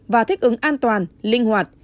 và thích ứng an toàn linh hoạt